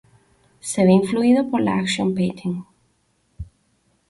Se ve influido por la Action painting.